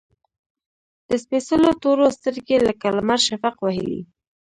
د سپیڅلو تورو، سترګې لکه لمر شفق وهلي